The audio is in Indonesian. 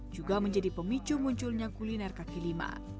juga menjadi pemicu munculnya kuliner kaki lima